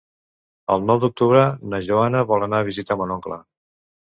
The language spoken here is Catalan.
El nou d'octubre na Joana vol anar a visitar mon oncle.